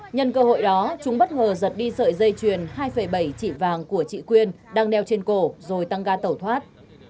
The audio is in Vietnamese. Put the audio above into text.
nhân cơ hội đó chúng bất ngờ giật đi sợi dây chuyền hai bảy trị vàng của chị quyên đang đeo trên cổ rồi tăng ga tẩu thoát